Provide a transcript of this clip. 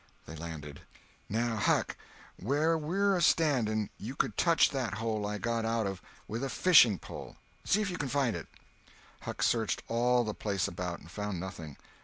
They landed. "Now, Huck, where we're a standing you could touch that hole I got out of with a fishing pole. See if you can find it." Huck searched all the place about, and found nothing.